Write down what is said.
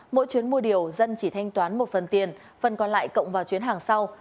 mỗi chuyến mua điều dân chỉ thanh toán một phần tiền phần còn lại cộng vào chuyến hàng sau